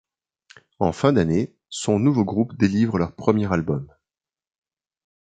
En fin d'année, son nouveau groupe délivre leur premier album, '.